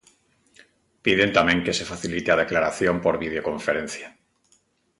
Piden tamén que se facilite a declaración por videoconferencia.